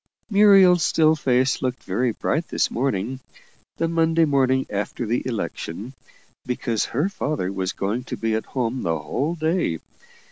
Muriel's still face looked very bright this morning the Monday morning after the election because her father was going to be at home the whole day.